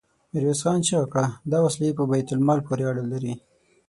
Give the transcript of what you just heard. ميرويس خان چيغه کړه! دا وسلې په بيت المال پورې اړه لري.